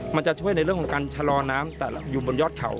มันจะช่วยในเรื่องของการชะลอน้ำแต่อยู่บนยอดเขา